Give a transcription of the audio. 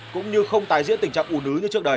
cũng như không tái diễn tình trạng ủ nứ như trước đây